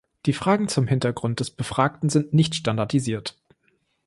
Die Fragen zum Hintergrund des Befragten sind nicht standardisiert.